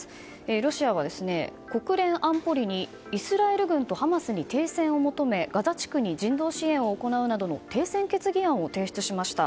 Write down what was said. ロシアは国連安保理にイスラエル軍とハマスに停戦を求めガザ地区に人道支援を行うなどの停戦決議案を提出しました。